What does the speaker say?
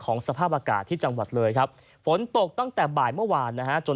สภาพอากาศที่จังหวัดเลยครับฝนตกตั้งแต่บ่ายเมื่อวานนะฮะจน